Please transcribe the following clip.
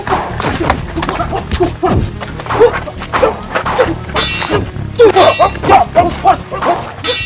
kenapa kau berada di calon ini